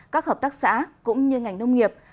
các hợp tác xã cũng như ngành nông nghiệp